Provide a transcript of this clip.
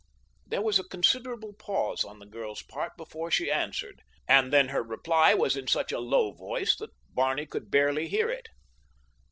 There was a considerable pause on the girl's part before she answered, and then her reply was in such a low voice that Barney could barely hear it.